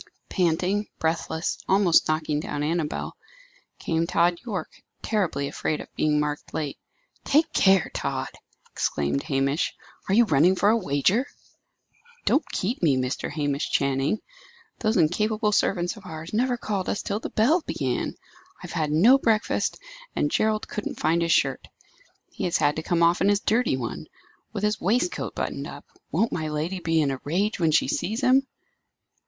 Panting, breathless, almost knocking down Annabel, came Tod Yorke, terribly afraid of being marked late. "Take care, Tod!" exclaimed Hamish. "Are you running for a wager?" "Don't keep me, Mr. Hamish Channing! Those incapable servants of ours never called us till the bell began. I have had no breakfast, and Gerald couldn't find his shirt. He has had to come off in his dirty one, with his waistcoat buttoned up. Won't my lady be in a rage when she sees him?"